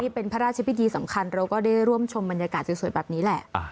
เป็นพระราชพิธีสำคัญเราก็ได้ร่วมชมบรรยากาศสวยแบบนี้แหละ